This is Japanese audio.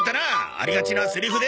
ありがちなセリフで！